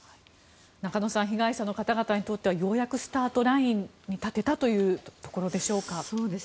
中野さん被害者の方にとってはようやくスタートラインに立てたというところでしょうか？